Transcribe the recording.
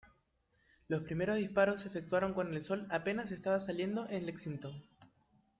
Los primeros disparos se efectuaron cuando el sol apenas estaba saliendo en Lexington.